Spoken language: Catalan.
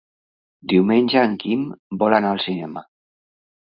Diumenge en Quim vol anar al cinema.